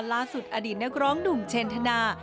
ล่าสุดอดีตนกร้องหนุ่มเช็นทนา